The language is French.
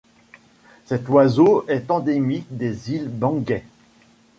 Cet oiseau est endémique des îles Banggai.